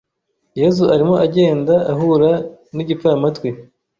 Yezu arimo agenda ahura n’igipfamatwi,